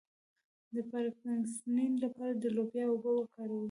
د پارکینسن لپاره د لوبیا اوبه وکاروئ